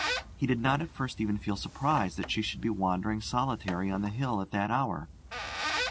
He did not at first even feel surprise that she should be wandering solitary on the hill at that hour.